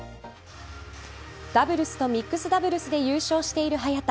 ダブルスとミックスダブルスで優勝している早田。